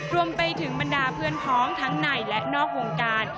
รวมไปถึงบรรดาเพื่อนพ้องทั้งในและนอกวงการ